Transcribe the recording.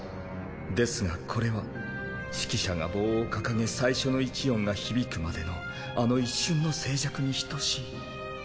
ですがこれは指揮者が棒を掲げ最初の一音が響くまでのあの一瞬の静寂に等しい。